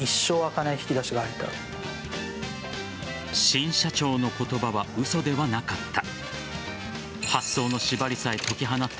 新社長の言葉は嘘ではなかった。